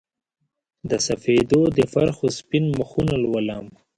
د سپیدو د پرخو سپین مخونه لولم